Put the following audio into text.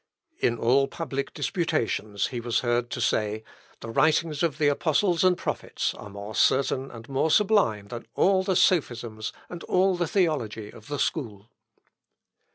In all public disputations he was heard to say, "the writings of the apostles and prophets are more certain and more sublime than all the sophisms and all the theology of the school."